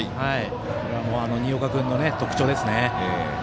これは新岡君の特徴ですね。